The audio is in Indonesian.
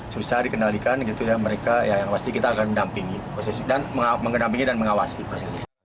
susah dikenalikan kita akan mendampingi dan mengawasi prosesnya